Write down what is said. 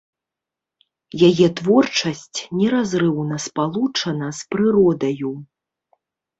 Яе творчасць неразрыўна спалучана з прыродаю.